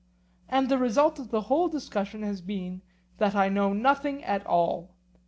And the result of the whole discussion has been that I know nothing at all.